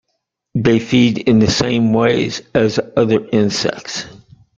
They feed in the same ways as other insects.